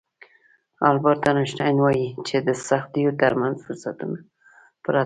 البرټ انشټاين وايي چې د سختیو ترمنځ فرصتونه پراته دي.